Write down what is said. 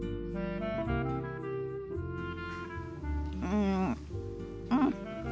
うんうん。